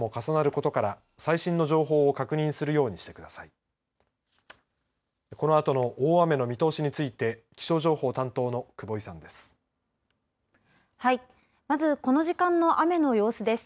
このあとの大雨の見通しについて気象情報担当の久保井さんです。